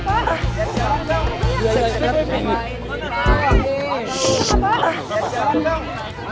kalau kalian tidak bisa bahagia